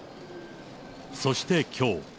そしてきょう。